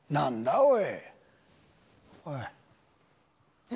おい！